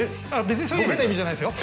別にそういう変な意味でじゃないですよ。